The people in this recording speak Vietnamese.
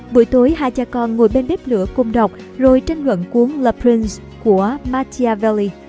bữa tối hai cha con ngồi bên bếp lửa cùng đọc rồi tranh luận cuốn le prince của machiavelli